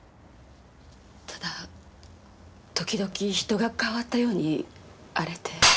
ただ時々人が変わったように荒れて。